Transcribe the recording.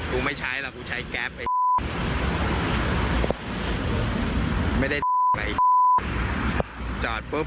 ไม่ใช้หรอกกูใช้แก๊ปเองไม่ได้ไปจอดปุ๊บ